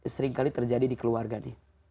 sering kali terjadi di keluarga nih